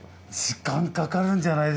時間かかるんじゃないですか？